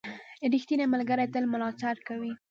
• ریښتینی ملګری تل ملاتړ کوي.